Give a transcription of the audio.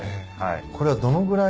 これはどのぐらい。